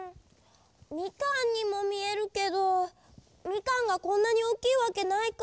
みかんにもみえるけどみかんがこんなにおおきいわけないか。